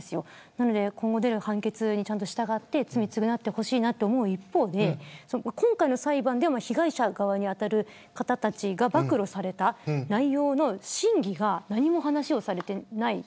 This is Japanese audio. なので、今後出る判決に従って罪を償ってほしいなと思う一方で、今回の裁判で被害者側に当たる方たちが暴露された内容の真偽が何も話をされていない。